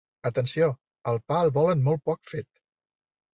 Atenció, el pa el volen molt poc fet.